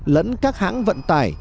lẫn các hãng vận tải